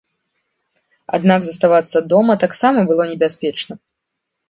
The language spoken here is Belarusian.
Аднак заставацца дома таксама было небяспечна.